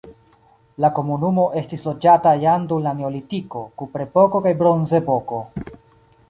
La komunumo estis loĝata jam dum la neolitiko, kuprepoko kaj bronzepoko.